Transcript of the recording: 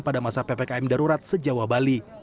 pada masa ppkm darurat sejauh bali